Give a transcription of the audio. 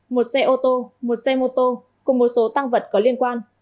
một xe ô tô một xe mô tô cùng một số tăng vật có liên quan